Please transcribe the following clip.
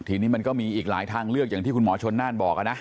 ทีนี้มันก็มีอีกหลายทางเลือกอย่างที่คุณหมอชนน่านบอกนะ